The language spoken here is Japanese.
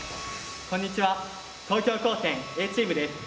こんにちは東京高専Ａチームです。